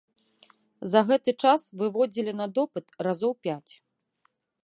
За гэты час выводзілі на допыт разоў пяць.